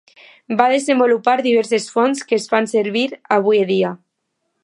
Va desenvolupar diverses fonts que es fan servir avui dia.